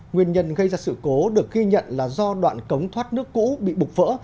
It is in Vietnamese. nguyên nhân gây ra sự cố được ghi nhận là do đoạn cống thoát nước cũ bị bục vỡ